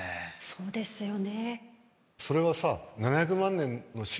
そうですよね。